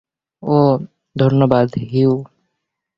ওহ, ধন্যবাদ, হিউ।